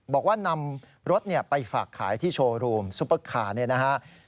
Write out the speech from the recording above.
บอกว่านำรถไปฝากขายที่โชว์รูมซุปเปอร์คาร์เนี่ยนะฮะ